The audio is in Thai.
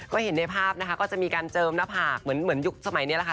ก็เห็นในภาพนะคะก็จะมีการเจิมหน้าผากเหมือนยุคสมัยนี้แหละค่ะ